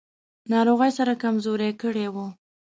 ناروغۍ سره کمزوری کړی و.